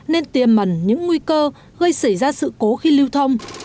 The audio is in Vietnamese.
nên tiềm mẩn những nguy cơ gây xảy ra sự cố khi lưu thông